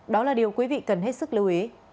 đó là điều quý vị cần hết sức lưu ý